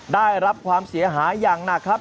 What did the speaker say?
ได้รับความเสียหายอย่างหนักครับ